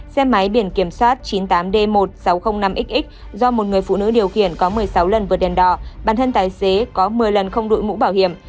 xe máy biển kiểm soát chín mươi tám d một nghìn sáu trăm linh năm x do một người phụ nữ điều khiển có một mươi sáu lần vượt đèn đỏ bản thân tài xế có một mươi lần không đội mũ bảo hiểm